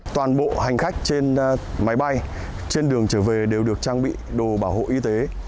toàn bộ hành khách trên máy bay trên đường trở về đều được trang bị đồ bảo hộ y tế